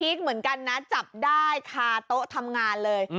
เหมือนกันนะจับได้คาโต๊ะทำงานเลย